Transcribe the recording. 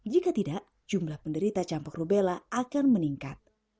jika tidak jumlah penderita campak rubella akan meningkat